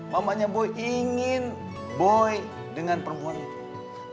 mamanya boy ingin boy dengan perempuan itu